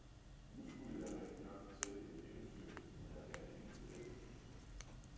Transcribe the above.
Nu skulle jeg rigtignok fortælle et eventyr, men jeg kan ingen flere!